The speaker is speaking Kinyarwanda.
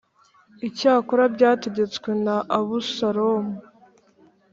Icyakora byategetswe na Abusalomu